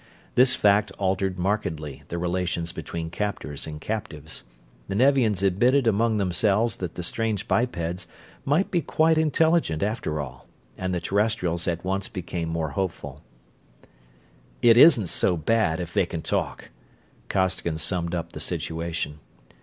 This fact altered markedly the relations between captors and captives. The Nevians admitted among themselves that the strange bipeds might be quite intelligent, after all; and the Terrestrials at once became more hopeful. "It isn't so bad, if they can talk," Costigan summed up the situation.